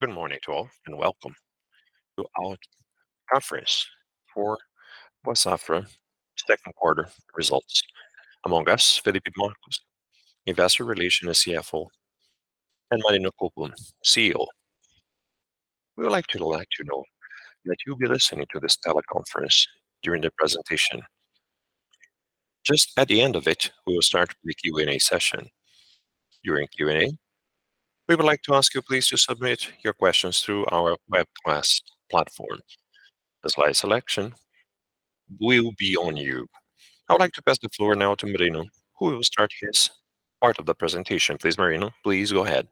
Good morning to all, welcome to our conference for Boa Safra second quarter results. Among us, Felipe Marques, Investor Relations and CFO, and Marino Colpo, CEO. We would like to let you know that you'll be listening to this teleconference during the presentation. Just at the end of it, we will start the Q&A session. During Q&A, we would like to ask you please to submit your questions through our web class platform. The slide selection will be on you. I would like to pass the floor now to Marino, who will start his part of the presentation. Please, Marino, please go ahead.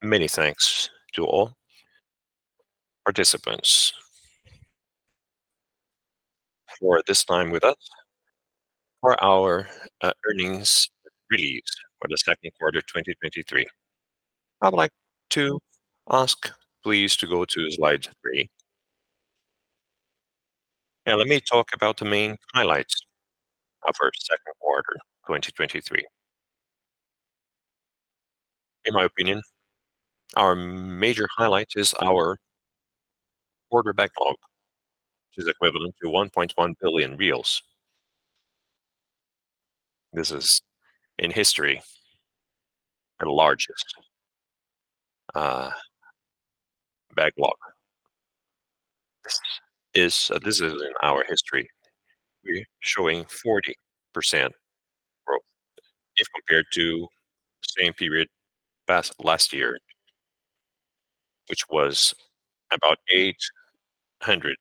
Many thanks to all participants for this time with us, for our earnings release for the second quarter of 2023. I would like to ask please to go to slide 3. Let me talk about the main highlights of our second quarter, 2023. In my opinion, our major highlight is our order backlog, which is equivalent to 1.1 billion. This is in history, our largest backlog. This is, this is in our history. We're showing 40% growth if compared to the same period past last year, which was about 800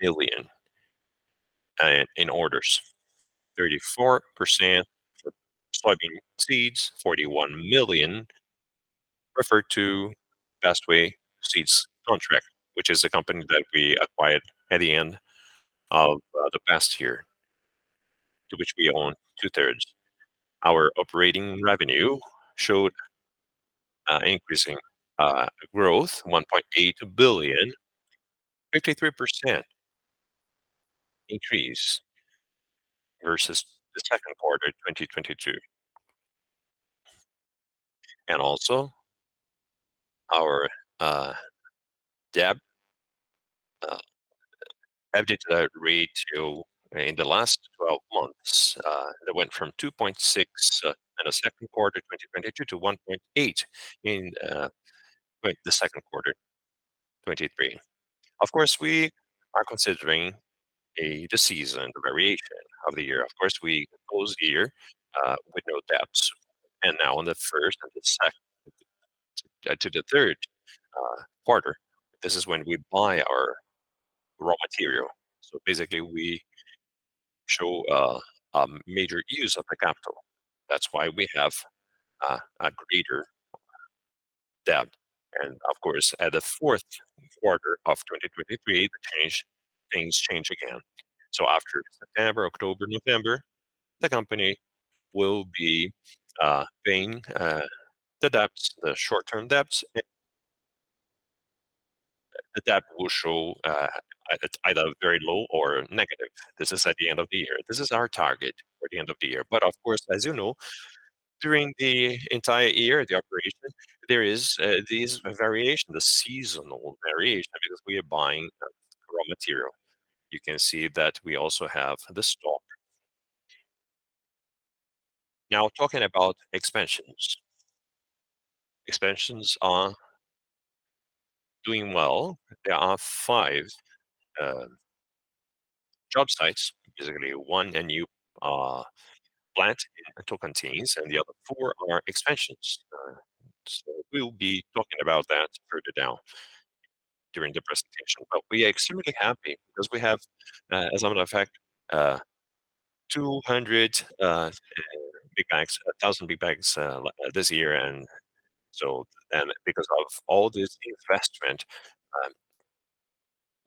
million in orders. 34% for soybean seeds, 41 million, referred to BestWay Sementes contract, which is a company that we acquired at the end of the past year, to which we own 2/3. Our operating revenue showed increasing growth, BRL 1.8 billion, 53% increase versus the second quarter of 2022. Our debt EBITDA ratio in the last twelve months, it went from 2.6 in the second quarter, 2022, to 1.8 in the second quarter, 2023. Of course, we are considering the season variation of the year. Of course, we close the year with no debts, and now in the 1st and to the 3rd quarter, this is when we buy our raw material. Basically, we show major use of the capital. That's why we have a greater debt. Of course, at the 4th quarter of 2023, things change again. After September, October, November, the company will be paying the debts, the short-term debts. The debt will show either very low or negative. This is at the end of the year. This is our target for the end of the year. Of course, as you know, during the entire year, the operation, there is these variations, the seasonal variation, because we are buying raw material. You can see that we also have the stock. Now, talking about expansions. Expansions are doing well. There are 5 job sites. Basically, 1 new plant in Tocantins, and the other 4 are expansions. We'll be talking about that further down during the presentation. We are extremely happy because we have, as a matter of fact, 200 big bags- 1,000 big bags this year. Because of all this investment,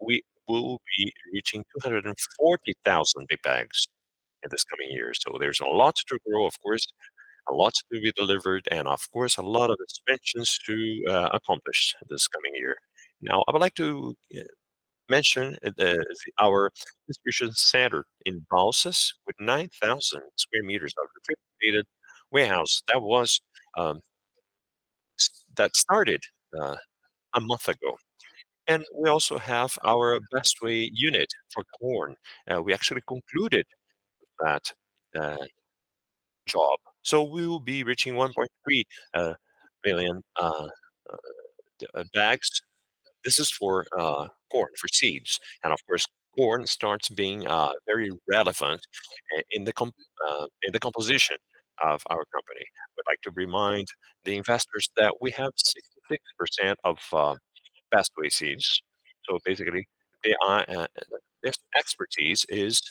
we will be reaching 240,000 big bags in this coming year. So there's a lot to grow, of course, a lot to be delivered, and of course, a lot of expansions to accomplish this coming year. Now, I would like to mention our distribution center in Balsas, with 9,000 square meters of refrigerated warehouse. That was that started a month ago. We also have our Bestway unit for corn. We actually concluded that job. We will be reaching 1.3 billion bags. This is for corn, for seeds. Of course, corn starts being very relevant in the composition of our company. I would like to remind the investors that we have 66% of BestWay Seeds. Basically, the this expertise is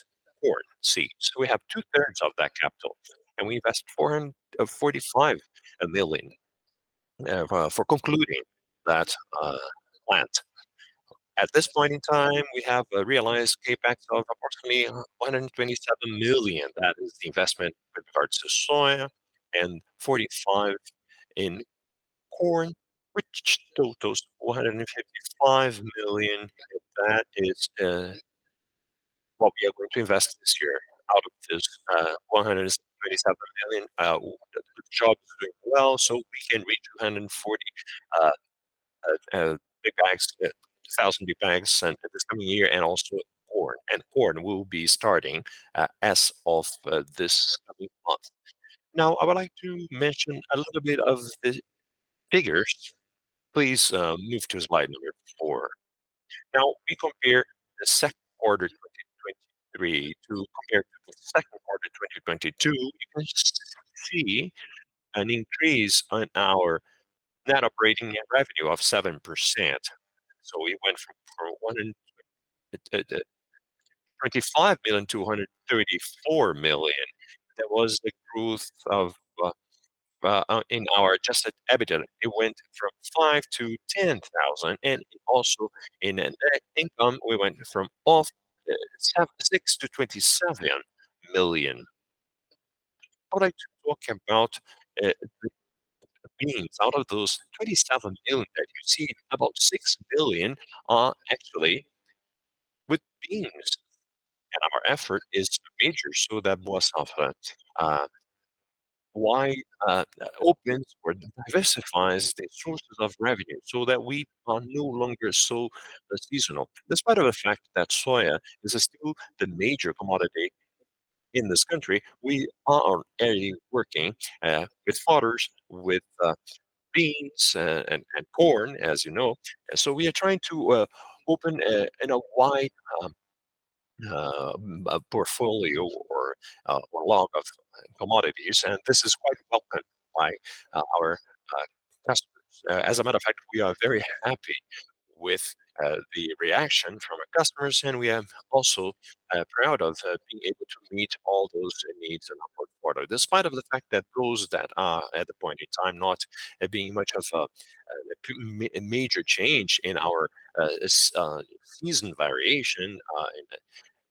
corn seeds. We have two-thirds of that capital, and we invest $445 million for concluding that plant. At this point in time, we have a realized CapEx of approximately $127 million. That is the investment with regards to soya and $45 million in corn, which totals $455 million. That is. We'll be able to invest this year out of this 177 million. The job is doing well, so we can reach 240 big bags, 2,000 big bags at this coming year, and also corn. Corn will be starting as of this coming month. Now, I would like to mention a little bit of the figures. Please, move to slide number 4. Now, we compare the second quarter 2023 to compare to the second quarter 2022. We can see an increase on our net operating revenue of 7%. We went from 125 million-134 million. That was the growth of in our adjusted EBITDA. It went from 5,000-10,000. Also in a net income, we went from 6 million-27 million. I would like to talk about beans. Out of those 27 billion that you see, about 6 billion are actually with beans. Our effort is major, so that most of it opens or diversifies the sources of revenue, so that we are no longer so seasonal. Despite of the fact that soya is still the major commodity in this country, we are already working with fodders, with beans and corn, as you know. We are trying to open a, you know, wide portfolio or a lot of commodities. This is quite welcomed by our customers. As a matter of fact, we are very happy with the reaction from our customers, and we are also proud of being able to meet all those needs in our port-quarter. Despite of the fact that those that are, at the point in time, not being much of a major change in our season variation,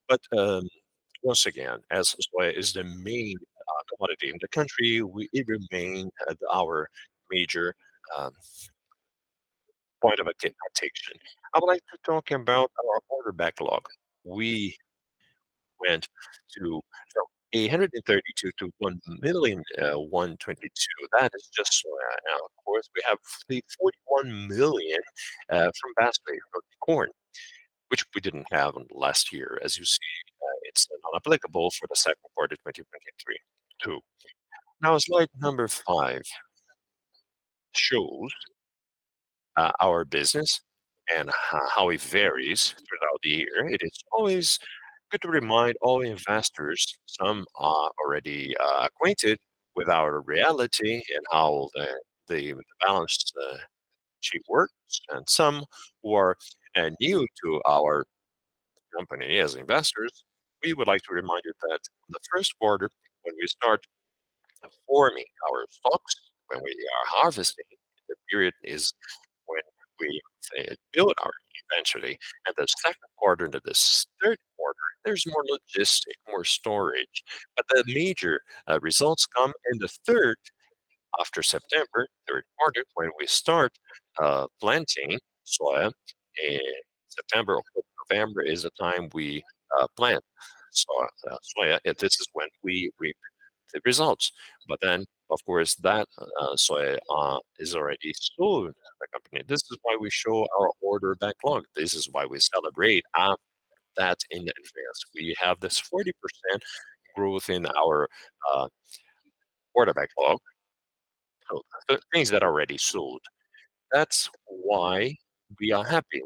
but once again, as soya is the main commodity in the country, we remain at our major point of identification. I would like to talk about our order backlog. We went to 832-1,000,122. That is just soya. Now, of course, we have the 41 million from basket of corn, which we didn't have last year. As you see, it's not applicable for the second quarter 2023 too. Slide number five shows our business and how it varies throughout the year. It is always good to remind all investors, some are already acquainted with our reality and how the balance sheet works, and some who are new to our company as investors. We would like to remind you that the first quarter, when we start forming our stocks, when we are harvesting, the period is when we build our eventually. The second quarter to the third quarter, there's more logistic, more storage. The major results come in the third, after September, third quarter, when we start planting soya. In September, October, November is the time we plant soya, soya, and this is when we reap the results. Then, of course, that soya is already sold by the company. This is why we show our order backlog. This is why we celebrate that in advance. We have this 40% growth in our order backlog, things that are already sold. That's why we are happy.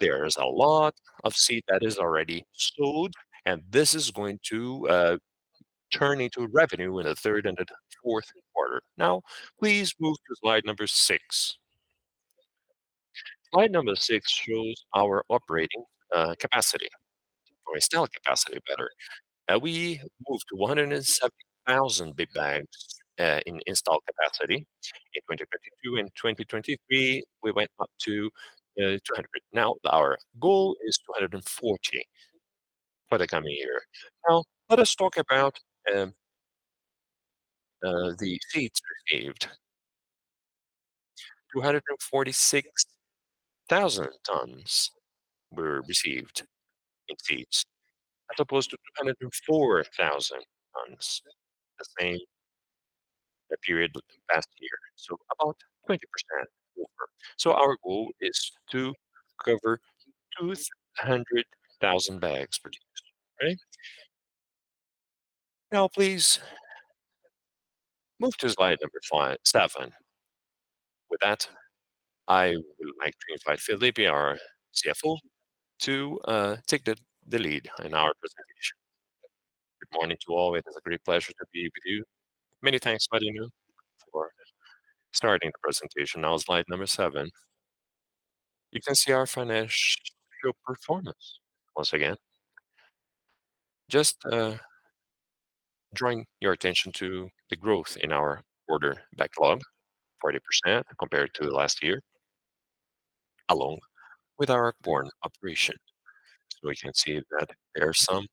There is a lot of seed that is already sold, and this is going to turn into revenue in the third and the fourth quarter. Now, please move to slide number 6. Slide number 6 shows our operating capacity or installed capacity better. We moved to 170,000 big bags in installed capacity in 2022. In 2023, we went up to 200. Now, our goal is 240 for the coming year. Now, let us talk about the seeds received. 246,000 tons were received in seeds, as opposed to 204,000 tons, the same period with the past year, so about 20% more. Our goal is to cover 200,000 bags produced. Okay? Please move to slide number 7. With that, I would like to invite Felipe, our CFO, to take the lead in our presentation. Good morning to all. It is a great pleasure to be with you. Many thanks, Marino, for starting the presentation. Slide number 7. You can see our financial performance. Once again, just drawing your attention to the growth in our order backlog, 40% compared to last year, along with our corn operation. We can see that there are some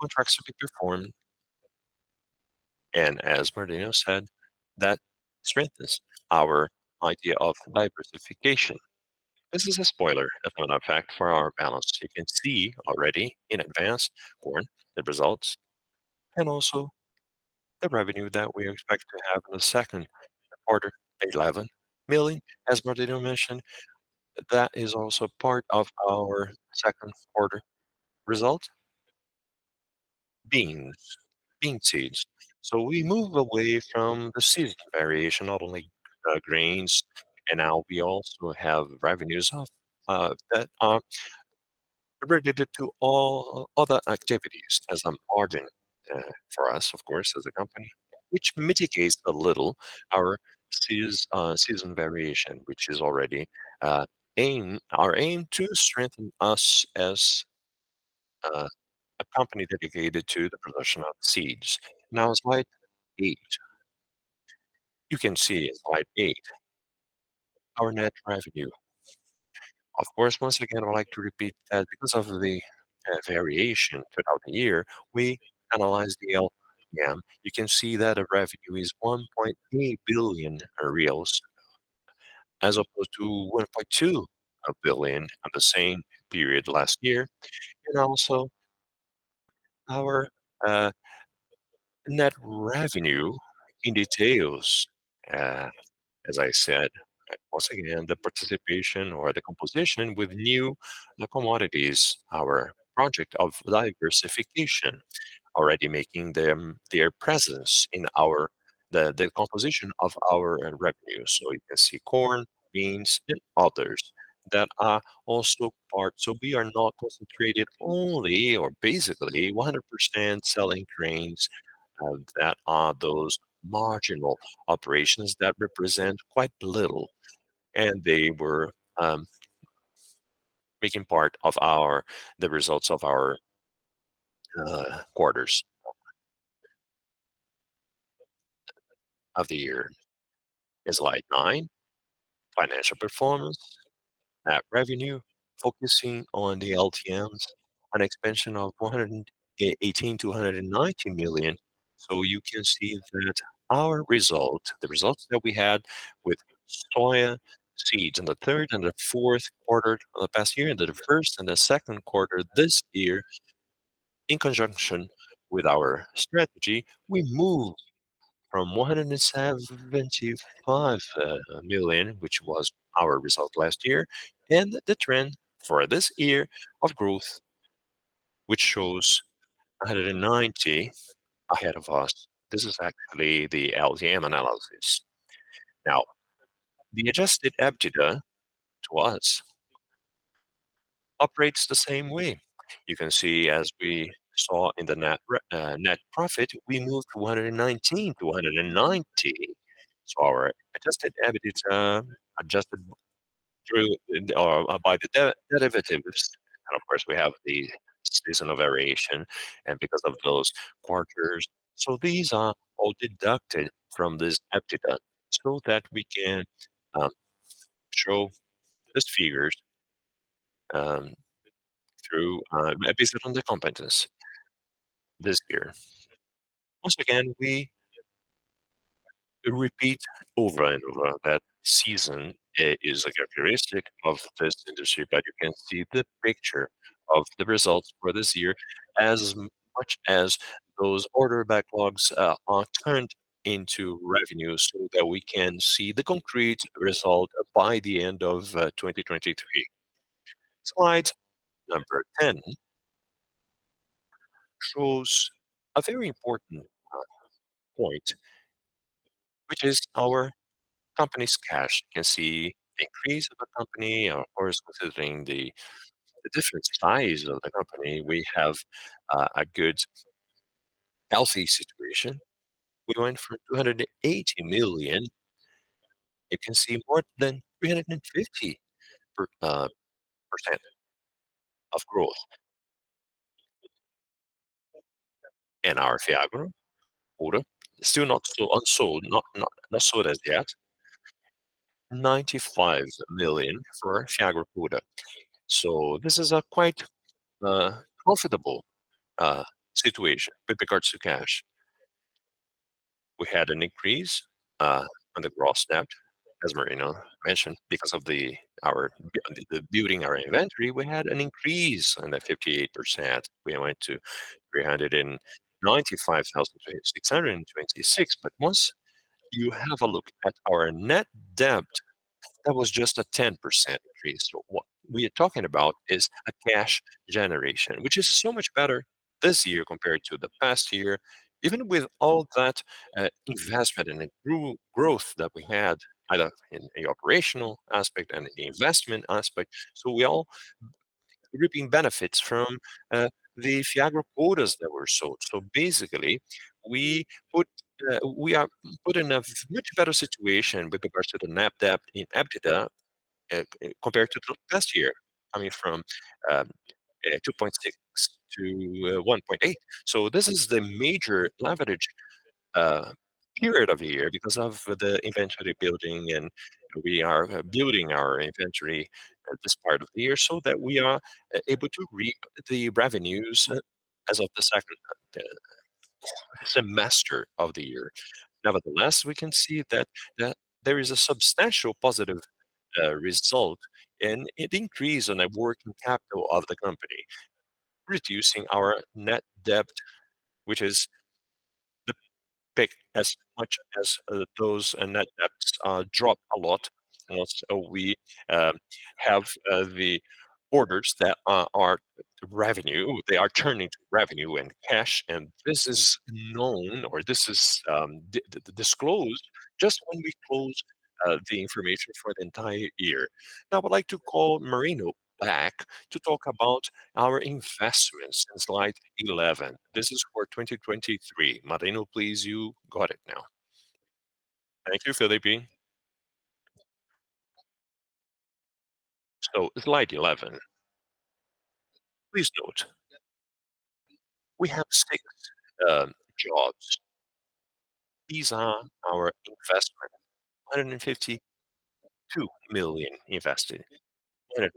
contracts to be performed. As Marino said, that strengthens our idea of diversification. This is a spoiler, a fun fact for our balance. You can see already in advance, corn, the results, and also the revenue that we expect to have in the second quarter, 11 million. As Marino mentioned, that is also part of our second quarter result. Beans, bean seeds. We move away from the seed variation, not only grains, and now we also have revenues of that are related to all other activities as an organ for us, of course, as a company, which mitigates a little our season variation, which is already our aim to strengthen us as a company dedicated to the production of seeds. Slide 8. You can see in slide 8, our net revenue. Of course, once again, I would like to repeat that because of the variation throughout the year, we analyzed the LTM. You can see that the revenue is 1.8 billion reais, as opposed to 1.2 billion at the same period last year. Our net revenue in details, as I said, once again, the participation or the composition with new commodities, our project of diversification already making them their presence in our- the, the composition of our revenue. You can see corn, beans, and others that are also part. We are not concentrated only or basically 100% selling grains, that are those marginal operations that represent quite little, and they were making part of the results of our quarters of the year. In slide 9, financial performance. Net revenue, focusing on the LTMs, an expansion of 118 million-190 million. You can see that our result, the results that we had with soya seeds in the third and the fourth quarter of the past year, and the first and the second quarter this year, in conjunction with our strategy, we moved from 175 million, which was our result last year, and the trend for this year of growth, which shows 190 ahead of us. This is actually the LTM analysis. Now, the adjusted EBITDA to us operates the same way. You can see, as we saw in the net profit, we moved from 119-190. Our adjusted EBITDA, adjusted through by the derivatives, and of course, we have the seasonal variation and because of those quarters. These are all deducted from this EBITDA, so that we can show these figures through based on the competence this year. Once again, we repeat over and over that season is a characteristic of the first industry, but you can see the picture of the results for this year as much as those order backlogs are turned into revenues, so that we can see the concrete result by the end of 2023. Slide number 10 shows a very important point, which is our company's cash. You can see the increase of the company, of course, considering the different size of the company, we have a good, healthy situation. We went from $280 million. You can see more than 350% of growth. In our Fiagro quota, still not sold, not, not, not sold as yet, 95 million for Fiagro quota. This is a quite profitable situation with regards to cash. We had an increase on the gross debt, as Marino mentioned, because of building our inventory, we had an increase on the 58%. We went to 395,626. Once you have a look at our net debt, that was just a 10% increase. What we are talking about is a cash generation, which is so much better this year compared to the past year, even with all that investment and the growth that we had, either in the operational aspect and the investment aspect. We all reaping benefits from the Fiagro quotas that were sold. Basically, we put, we are put in a much better situation with regards to the net debt in EBITDA compared to the past year, I mean, from 2.6-1.8. This is the major leverage period of the year because of the inventory building, and we are building our inventory at this part of the year so that we are able to reap the revenues as of the second semester of the year. Nevertheless, we can see that there is a substantial positive result and an increase in the working capital of the company, reducing our net debt, which is the peak as much as those net debts dropped a lot. Also, we have the orders that are revenue. They are turning to revenue and cash, and this is known or this is disclosed just when we close the information for the entire year. I would like to call Marino back to talk about our investments in Slide 11. This is for 2023. Marino, please, you got it now. Thank you, Felipe. Slide 11. Please note, we have 6 jobs. These are our investment, 152 million invested, and it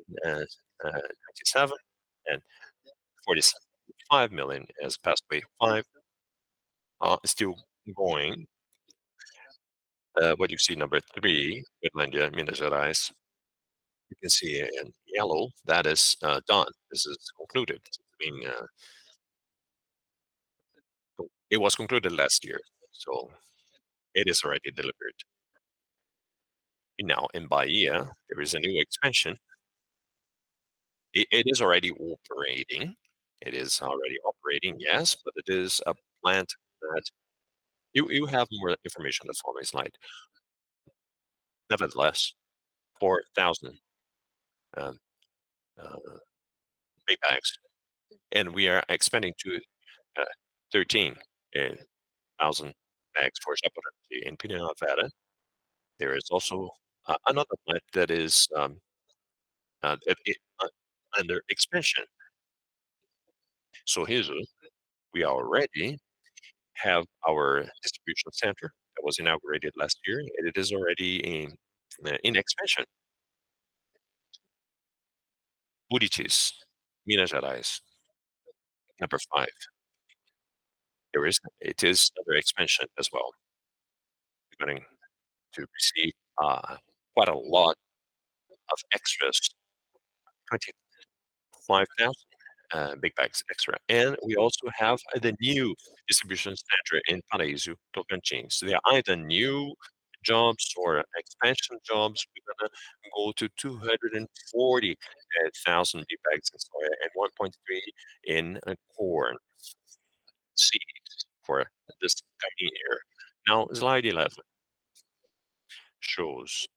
97.475 million as past five is still going. What you see number 3, with Minas Gerais, you can see in yellow, that is done. This is concluded. I mean, it was concluded last year, so it is already delivered. In Bahia, there is a new expansion. It, it is already operating. It is already operating, yes, but it is a plant that... You, you have more information on the following slide. Nevertheless, 4,000 big bags, and we are expanding to 13,000 bags for Jaciara. In Pirapora, there is also another plant that is under expansion. Here, we already have our distribution center that was inaugurated last year, and it is already in expansion. Buritis, Minas Gerais, number 5. There is, it is under expansion as well. We're going to receive quite a lot of extras, 25,000 big bags extra. We also have the new distribution center in Paraíso, Tocantins. They are either new jobs or expansion jobs. We're gonna go to 240,000 big bags and 1.3 in corn seeds for this coming year. Slide eleven shows...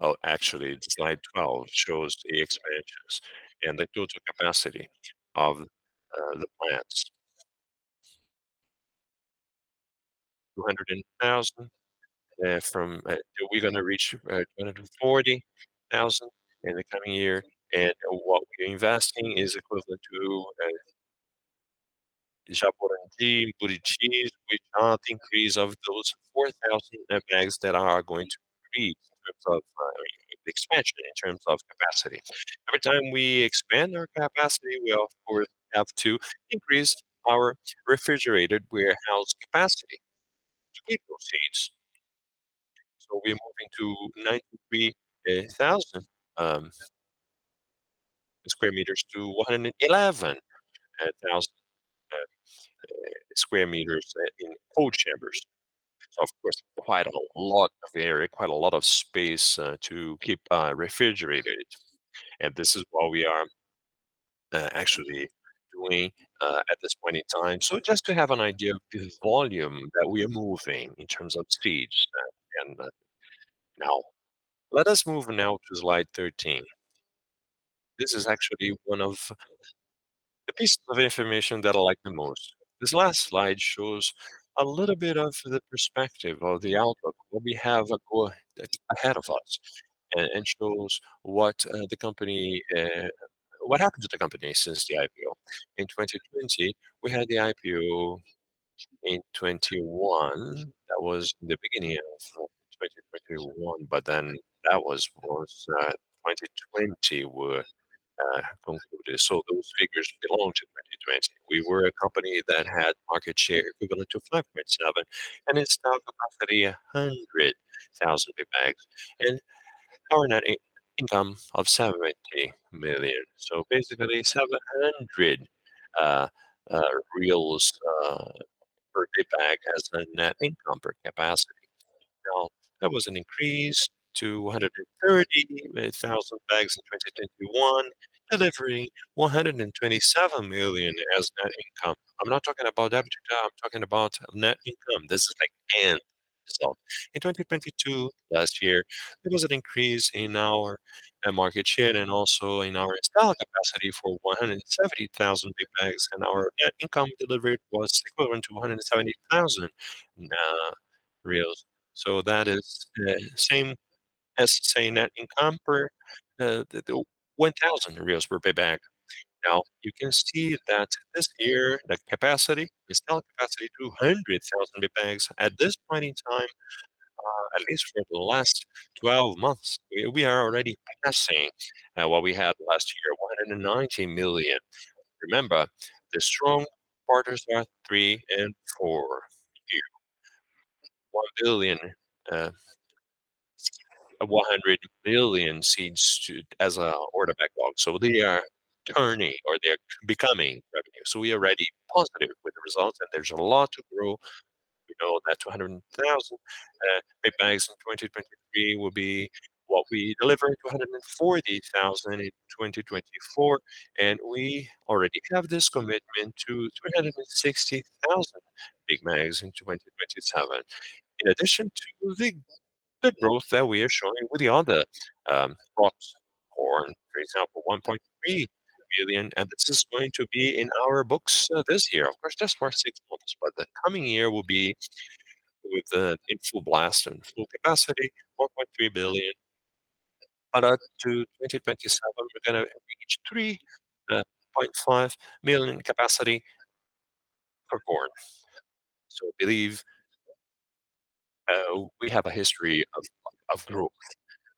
Oh, actually, slide twelve shows the expansions and the total capacity of the plants. 200,000 from we're gonna reach 240,000 in the coming year, what we're investing is equivalent to Jaciara and Buritis, which are the increase of those 4,000 net bags that are going to create in terms of expansion, in terms of capacity. Every time we expand our capacity, we of course, have to increase our refrigerated warehouse capacity to keep those seeds. We're moving to 93,000 square meters to 111,000 square meters in cold chambers. Of course, quite a lot of area, quite a lot of space to keep refrigerated, this is what we are actually doing at this point in time. Just to have an idea of the volume that we are moving in terms of seeds. Now, let us move now to slide 13. This is actually one of the pieces of information that I like the most. This last slide shows a little bit of the perspective or the outlook, what we have, go ahead, ahead of us, and shows what the company, what happened to the company since the IPO. In 2020, we had the IPO in 2021. That was the beginning of 2021, but then that was 2020 were concluded. Those figures belong to 2020. We were a company that had market share equivalent to 5.7, and it's now about 300,000 big bags and our net income of 70 million. Basically, 700 reais per big bag as the net income per capacity. There was an increase to 130,000 bags in 2021, delivering 127 million as net income. I'm not talking about EBITDA, I'm talking about net income. This is like end result. In 2022, last year, there was an increase in our market share and also in our install capacity for 170,000 big bags, and our net income delivered was equivalent to 170,000 reais. That is, same-... as saying that in compare, the 1,000 reais per big bag. You can see that this year, the capacity, the selling capacity, 200,000 big bags. At this point in time, at least for the last 12 months, we, we are already passing what we had last year, $190 million. Remember, the strong quarters are three and four here. 1 billion, 100 billion seeds as a order backlog. They are turning or they are becoming revenue. We are already positive with the results, and there's a lot to grow. We know that 200,000 big bags in 2023 will be what we deliver, 240,000 in 2024, and we already have this commitment to 360,000 big bags in 2027. In addition to the growth that we are showing with the other spots, corn, for example, $1.3 billion, and this is going to be in our books this year. Of course, just for 6 months, the coming year will be with the in full blast and full capacity, $1.3 billion. Up to 2027, we're gonna reach 3.5 million in capacity for corn. I believe we have a history of, of growth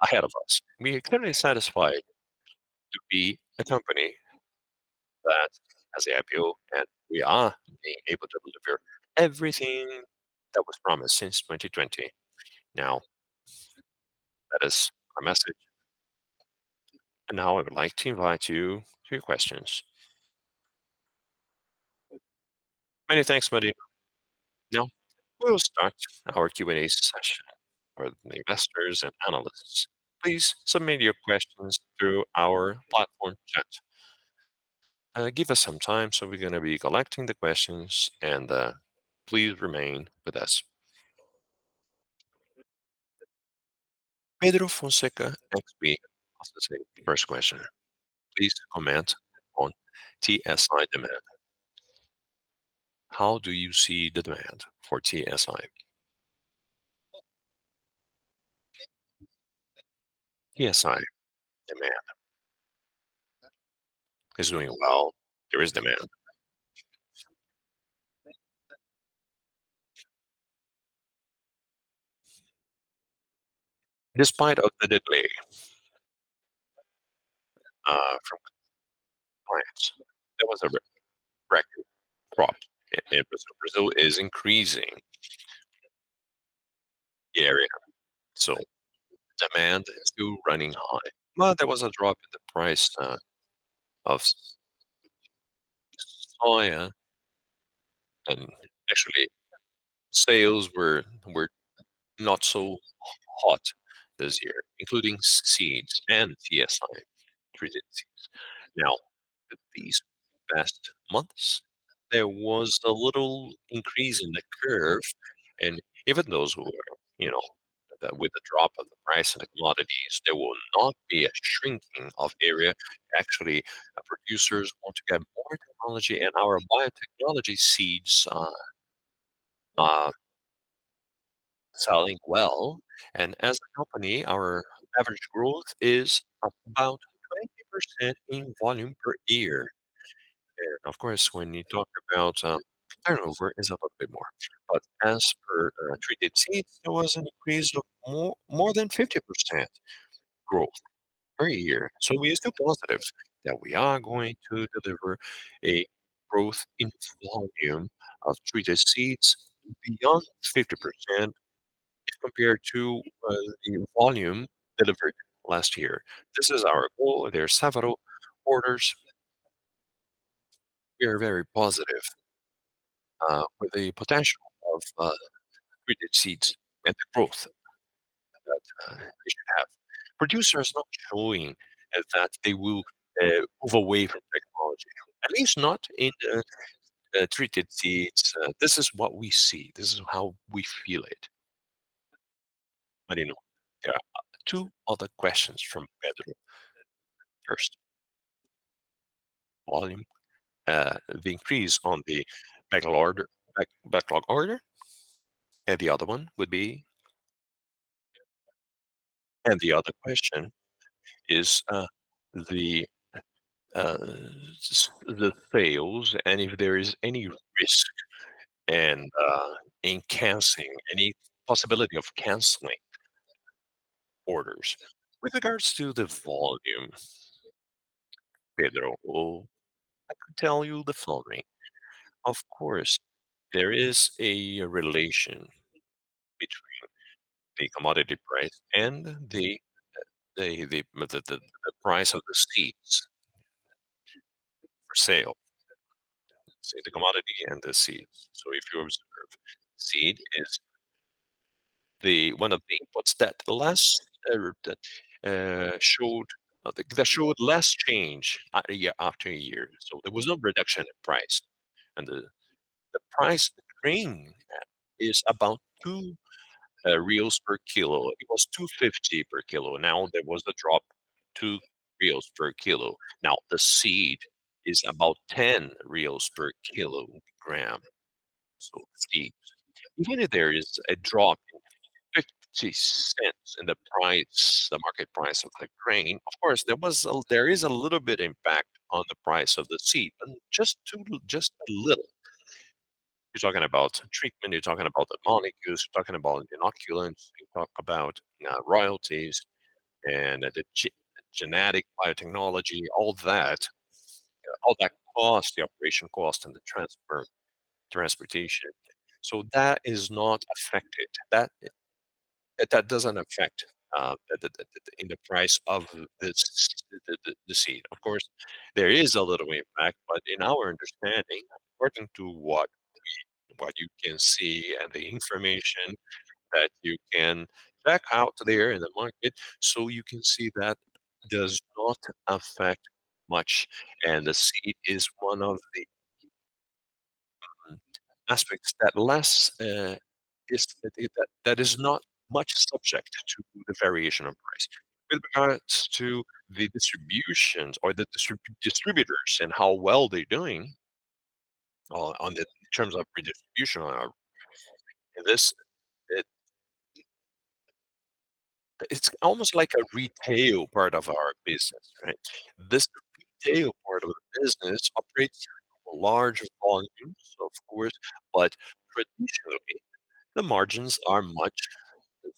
ahead of us. We are clearly satisfied to be a company that has the IPO, and we are being able to deliver everything that was promised since 2020. Now, that is our message. Now I would like to invite you to your questions. Many thanks, Marino. We will start our Q&A session for the investors and analysts. Please submit your questions through our platform chat. Give us some time, so we're gonna be collecting the questions, and please remain with us. Pedro Fonseca asked me also the same first question: Please comment on TSI demand. How do you see the demand for TSI? TSI demand is doing well. There is demand. Despite of the delay from clients, there was a record profit. Brazil is increasing the area, so demand is still running high. Well, there was a drop in the price of soy, and actually, sales were not so hot this year, including seeds and TSI treated seeds. These past months, there was a little increase in the curve, and even those who were, you know, with the drop of the price of the commodities, there will not be a shrinking of area. Actually, producers want to get more technology, and our biotechnology seeds are selling well. As a company, our average growth is about 20% in volume per year. Of course, when you talk about turnover is a little bit more. As per treated seeds, there was an increase of more, more than 50% growth per year. We are still positive that we are going to deliver a growth in volume of treated seeds beyond 50% compared to the volume delivered last year. This is our goal. There are several orders. We are very positive with the potential of treated seeds and the growth that we should have. Producers not showing that they will move away from technology, at least not in treated seeds. This is what we see, this is how we feel it. You know, there are two other questions from Pedro. First, volume, the increase on the backlog order, backlog order, and the other one would be? The other question is, the sales, and if there is any risk and in canceling, any possibility of canceling orders. With regards to the volume, Pedro, well, I could tell you the following: Of course, there is a relation between the commodity price and the, the, the, the, the, the price of the seeds for sale. Say, the commodity and the seeds. If your seed is the one of the inputs that the last, that showed less change a year after year, so there was no reduction in price. The, the price of the grain is about 2 per kilo. It was 2.50 per kilo. There was a drop, 2 per kilo. The seed is about 10 per kilogram. If the, even if there is a drop of $0.50 in the price, the market price of the grain, of course, there is a little bit impact on the price of the seed, and just two, just a little. You're talking about treatment, you're talking about the molecules, you're talking about inoculants, you talk about royalties and the genetic biotechnology, all that, all that cost, the operation cost and the transfer, transportation. That is not affected. That, that, that doesn't affect the price of the seed. Of course, there is a little impact, but in our understanding, according to what you can see and the information that you can check out there in the market, so you can see that does not affect much, and the seed is one of the aspects that less is that is not much subject to the variation of price. With regards to the distributions or the distributors and how well they're doing on, on the terms of redistribution, this, it, it's almost like a retail part of our business, right? This retail part of the business operates large volumes, of course, but traditionally, the margins are much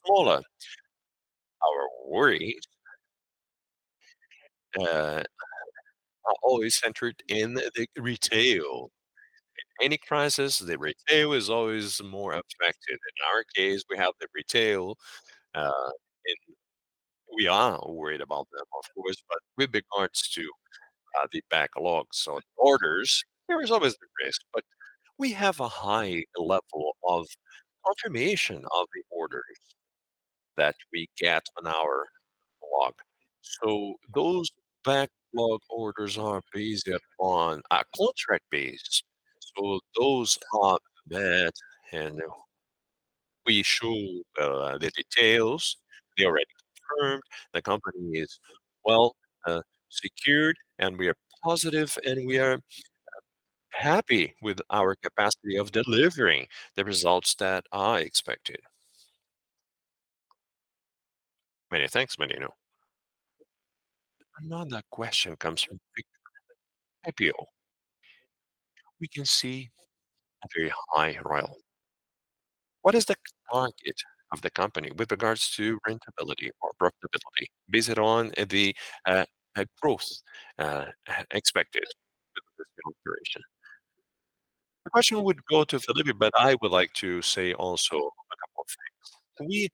smaller. Our worry are always centered in the retail. Any crisis, the retail is always more affected. In our case, we have the retail, we are worried about them, of course, but with regards to the backlogs. Orders, there is always the risk, but we have a high level of confirmation of the orders that we get on our backlog. Those backlog orders are based upon a contract basis. Those are bad, and we show the details. They already confirmed. The company is well secured, and we are positive, and we are happy with our capacity of delivering the results that are expected. Many thanks, Marino. Another question comes from IPO. We can see a very high royalty. What is the target of the company with regards to rentability or profitability, based on the growth expected with this generation? The question would go to Felipe, but I would like to say also a couple of things.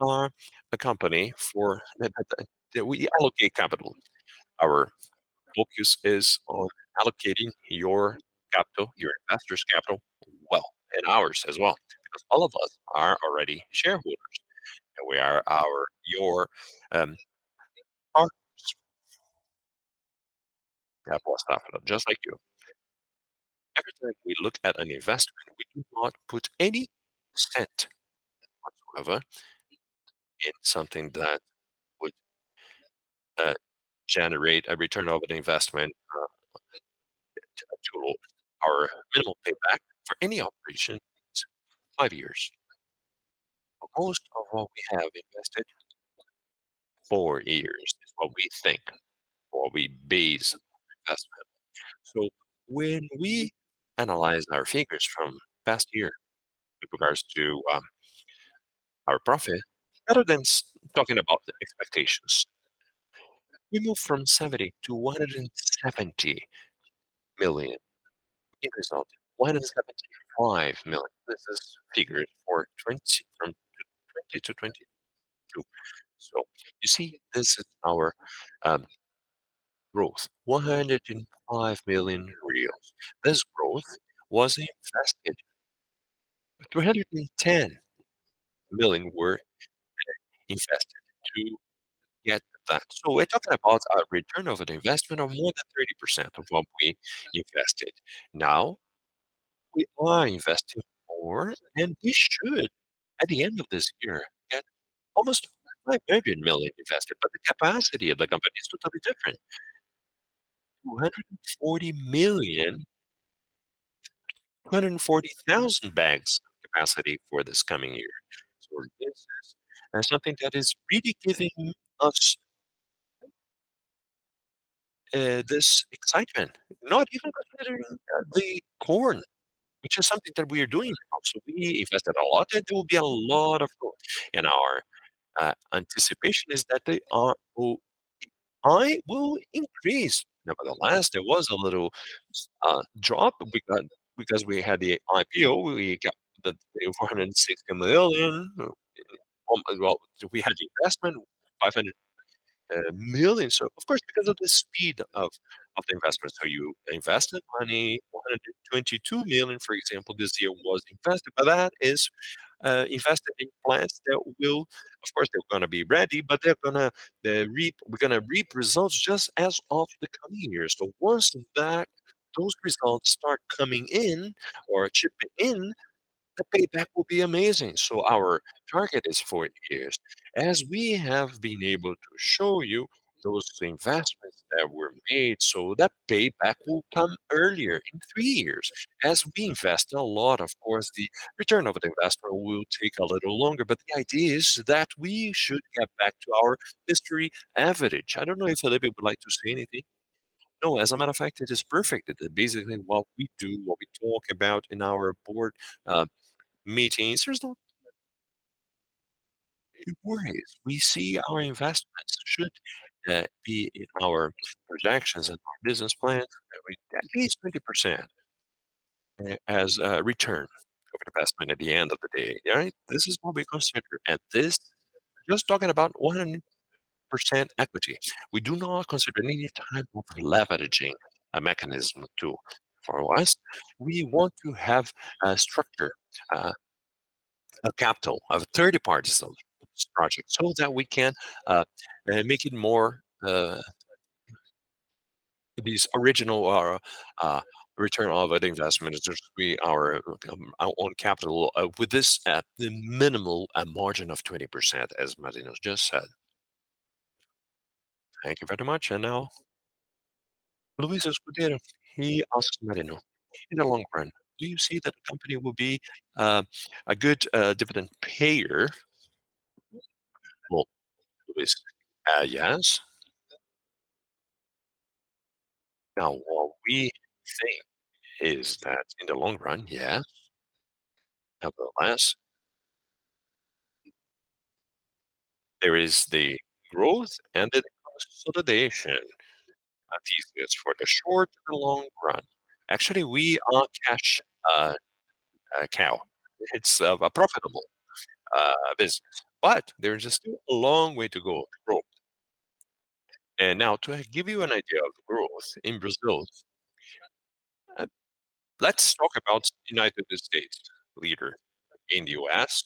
We are a company for... we allocate capital. Our focus is on allocating your capital, your investors' capital well, and ours as well, because all of us are already shareholders, and we are our, your partners. Yeah, well, just like you. Everything we look at an investment, we do not put any cent whatsoever in something that would generate a return on the investment to our middle payback for any operation, it's five years. Most of what we have invested, four years is what we think, or we base investment. When we analyze our figures from last year with regards to our profit, rather than talking about the expectations, we moved from 70 million to 170 million. Increase of 175 million. This is figured for 2020, from 2020-2022. You see, this is our growth, 105 million reais. This growth was invested. 210 million were invested to get that. We're talking about a return of an investment of more than 30% of what we invested. We are investing more, we should, at the end of this year, get almost 5 million million invested, the capacity of the company is totally different. 240 million, 240 thousand bags capacity for this coming year. This is, that's something that is really giving us this excitement, not even considering the corn, which is something that we are doing now. We invested a lot, it will be a lot of corn, our anticipation is that they are... I will increase. Nevertheless, there was a little drop because, because we had the IPO, we got 460 million. Well, we had the investment, 500 million. Of course, because of the speed of the investments, how you invest the money, 122 million, for example, this year was invested, but that is invested in plants that will, of course, they're gonna be ready, but they're gonna reap results just as of the coming years. The worse that those results start coming in or chipping in. The payback will be amazing. Our target is 4 years. As we have been able to show you those investments that were made, so that payback will come earlier, in 3 years. We invest a lot, of course, the return of investment will take a little longer, but the idea is that we should get back to our history average. I don't know if Felipe would like to say anything? As a matter of fact, it is perfect. It is basically what we do, what we talk about in our board meetings. There's no worries. We see our investments should be in our projections and our business plan, at least 20% as return over investment at the end of the day. Right? This is what we consider. This, just talking about 100% equity. We do not consider any type of leveraging a mechanism for us. We want to have a structure, a capital of third parties of this project, so that we can make it more. These original return on our investment is just we our own capital with this at the minimal margin of 20%, as Marino just said. Thank you very much. Now, Luis Escudero, he asks Marino, "In the long run, do you see that the company will be a good dividend payer?" Well, yes. Now, what we think is that in the long run, yes. Nevertheless, there is the growth and the consolidation of these things for the short and the long run. Actually, we are a cash cow. It's a profitable business, but there is still a long way to go to grow. Now, to give you an idea of the growth in Brazil, let's talk about United States leader. In the U.S.,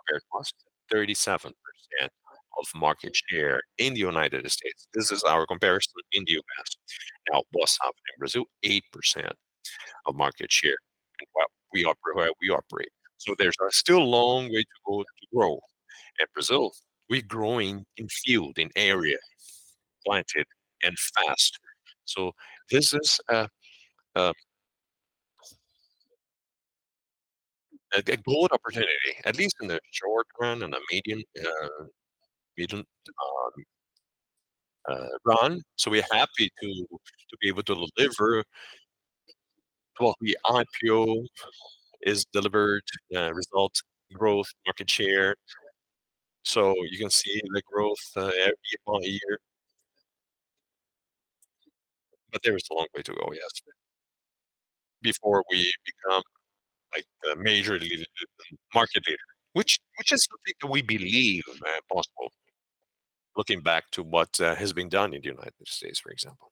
American has 37% of market share in the United States. This is our comparison in the U.S. Boa Safra in Brazil, 8% of market share in what we operate, we operate. There's a still long way to go to grow. In Brazil, we're growing in field, in area, planted and fast. This is a, a, a good opportunity, at least in the short run and the medium, medium run. We're happy to, to be able to deliver what we are feel is delivered, results, growth, market share. You can see the growth, year on year. There is a long way to go, yes, before we become like a major leader, market leader, which, which is something we believe, possible, looking back to what has been done in the United States, for example.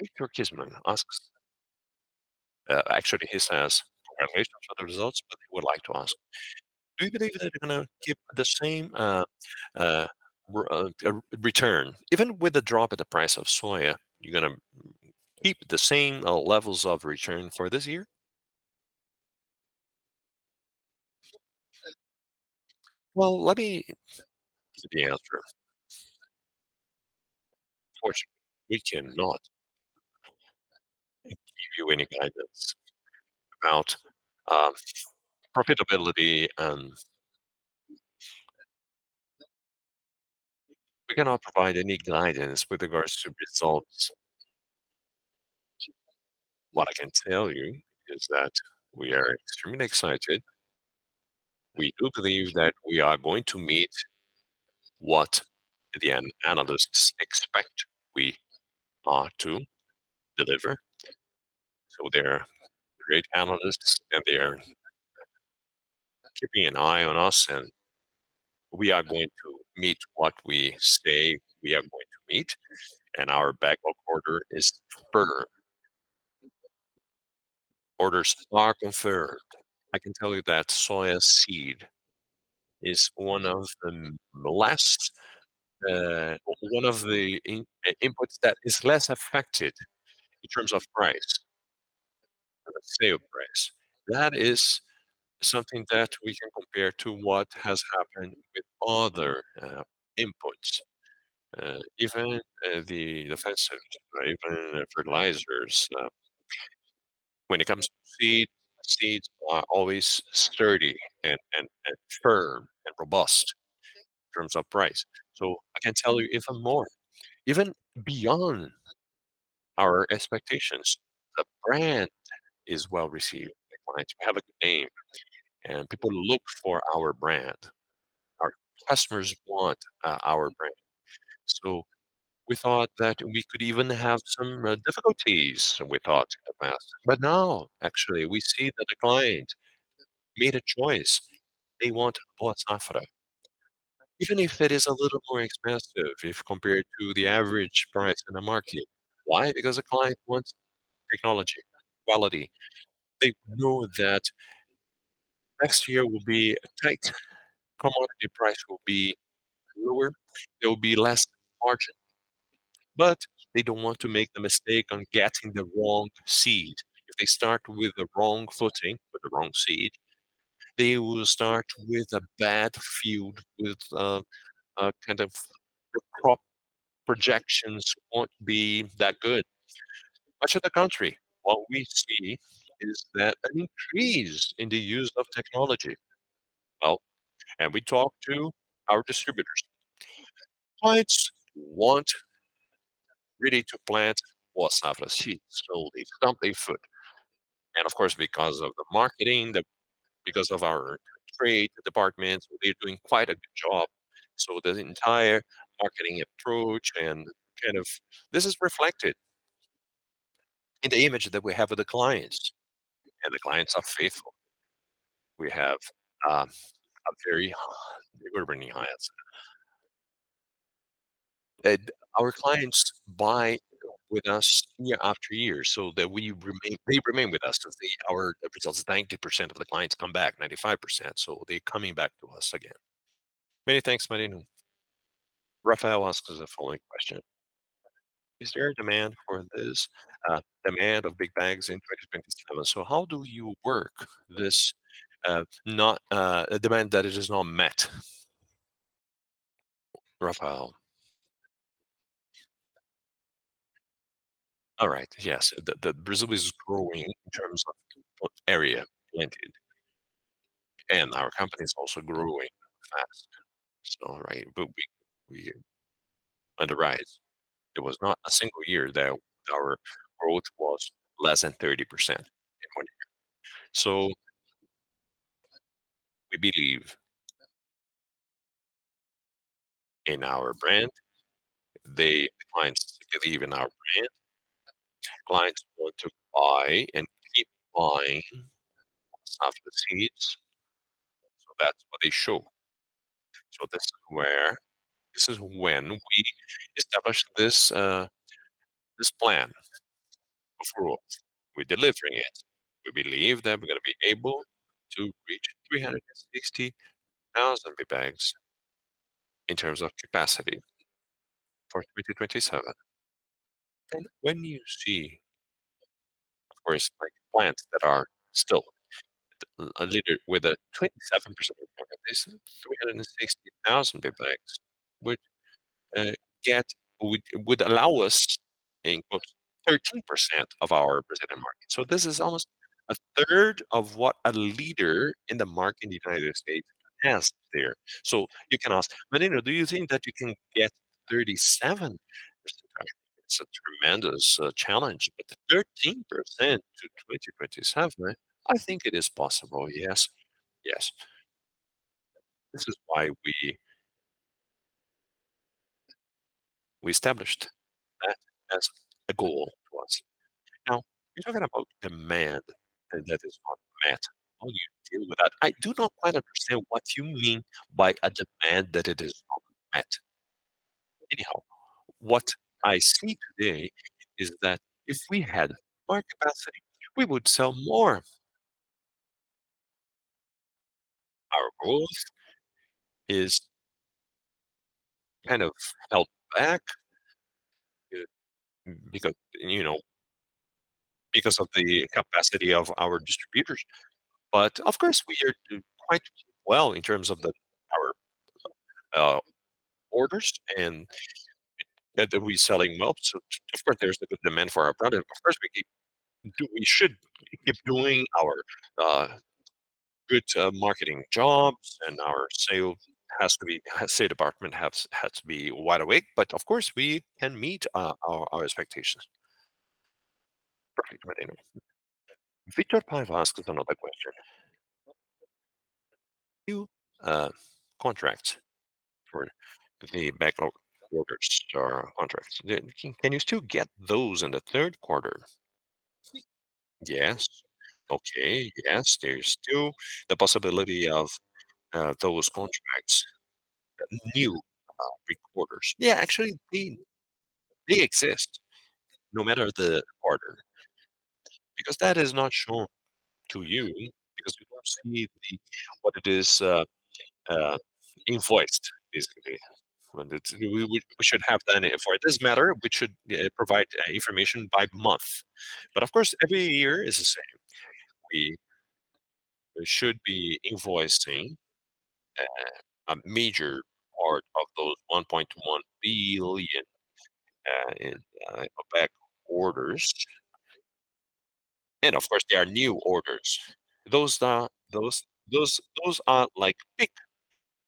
Victor Cismem asks, actually, he says, congratulations for the results, but he would like to ask, "Do you believe that you're gonna keep the same return? Even with the drop in the price of soya, you're gonna keep the same levels of return for this year?" Well, let me give the answer. Unfortunately, we cannot give you any guidance about profitability and. We cannot provide any guidance with regards to results. What I can tell you is that we are extremely excited. We do believe that we are going to meet what the analysts expect we are to deliver. They're great analysts, and they are keeping an eye on us, and we are going to meet what we say we are going to meet, and our backlog order is further. Orders are confirmed. I can tell you that soya seed is one of the less, one of the inputs that is less affected in terms of price, the sale price. That is something that we can compare to what has happened with other inputs, even the defensive, even fertilizers. When it comes to seed, seeds are always sturdy and firm and robust in terms of price. I can tell you even more. Even beyond our expectations, the brand is well-received. We have a good name, and people look for our brand. Our customers want our brand. We thought that we could even have some difficulties, we thought in the past. Now, actually, we see that the client made a choice. They want Boa Safra, even if it is a little more expensive, if compared to the average price in the market. Why? Because the client wants technology, quality. Next year will be tight. Commodity price will be lower, there will be less margin, but they don't want to make the mistake on getting the wrong seed. If they start with the wrong footing, with the wrong seed, they will start with a bad field, with a kind of the crop projections won't be that good. Much of the country, what we see is that an increase in the use of technology. Well, we talked to our distributors. Clients want really to plant more Safrinha seeds, so they've got their foot. Of course, because of the marketing, because of our trade departments, they're doing quite a good job. The entire marketing approach and kind of. This is reflected in the image that we have of the clients, and the clients are faithful. We have a very recurring clients. Our clients buy with us year after year, so that we remain, they remain with us because our results, 90% of the clients come back, 95%, they're coming back to us again. Many thanks, Marino. Rafael asks the following question: Is there a demand for this demand of big bags in 2027? How do you work this a demand that it is not met, Rafael? All right, yes. Brazil is growing in terms of area planted, our company is also growing fast. All right, we on the rise. There was not a single year that our growth was less than 30% in 1 year. We believe in our brand, the clients believe in our brand. Clients want to buy and keep buying Boa Safra seeds, so that's what they show. This is where, this is when we established this, this plan. Of course, we're delivering it. We believe that we're gonna be able to reach 360,000 big bags in terms of capacity for 2027. When you see, of course, like, clients that are still a leader with a 27% of the market, this 360,000 big bags, would get-- would, would allow us in, quote, "13% of our Brazilian market." This is almost a third of what a leader in the market in the United States has there. You can ask, "Marino, do you think that you can get 37?" It's a tremendous challenge, but the 13% to 2027, I think it is possible. Yes, yes. This is why we established that as a goal to us. You're talking about demand that is not met. How do you deal with that? I do not quite understand what you mean by a demand that it is not met. What I see today is that if we had more capacity, we would sell more. Our growth is kind of held back, because, you know, because of the capacity of our distributors. Of course, we are doing quite well in terms of our orders and that we're selling well. Of course, there's the good demand for our product. Of course, we should keep doing our good marketing jobs and our sales has to be, sales department has, has to be wide awake, but of course, we can meet our expectations. Perfect, Marino. Victor Paiva asked us another question. "New contracts for the backlog orders or contracts, can you still get those in the third quarter?" Yes. Okay, yes, there's still the possibility of those contracts, new big orders. Yeah, actually, they, they exist no matter the order, because that is not shown to you, because we don't see the, what it is invoiced, basically. We, we, we should have that invoice. It doesn't matter, we should provide information by month. Of course, every year is the same. We should be invoicing a major part of those 1.1 billion in backlog orders. Of course, there are new orders. Those are, those, those, those are like pick orders,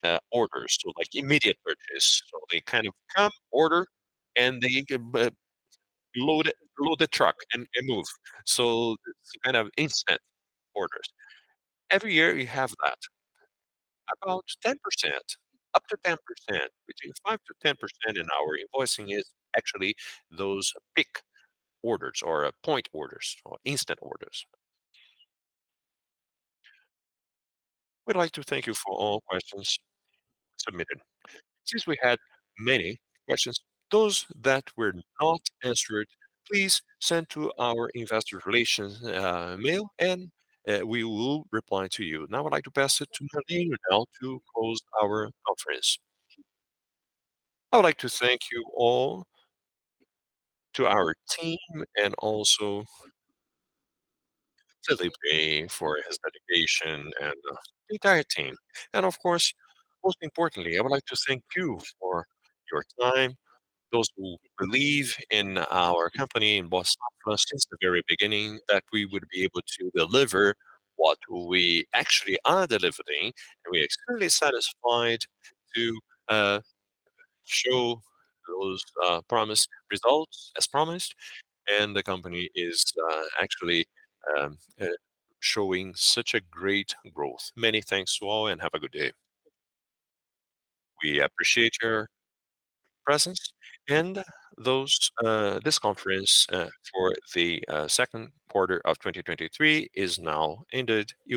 so like immediate purchase. They kind of come, order, and they can load, load the truck and move. It's kind of instant orders. Every year, we have that. About 10%, up to 10%, between 5%-10% in our invoicing is actually those pick orders or point orders or instant orders. We'd like to thank you for all questions submitted. Since we had many questions, those that were not answered, please send to our investor relations mail, and we will reply to you. Now, I'd like to pass it to Marino now to close our conference. I would like to thank you all to our team and also Felipe for his dedication and the entire team. Of course, most importantly, I would like to thank you for your time. Those who believe in our company, and was with us since the very beginning, that we would be able to deliver what we actually are delivering. We are extremely satisfied to show those promised results as promised, and the company is actually showing such a great growth. Many thanks to all, and have a good day. We appreciate your presence and those, this conference, for the second quarter of 2023 is now ended. You may-